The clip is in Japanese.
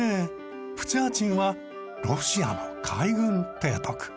プチャーチンはロシアの海軍提督。